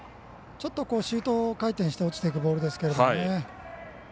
ちょっとシュート回転して落ちていくボールですけどね。